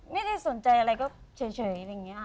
ไม่ได้สนใจอะไรก็เฉยอย่างเงี้ย